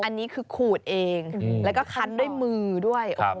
อันนี้คือขูดเองแล้วก็คันด้วยมือด้วย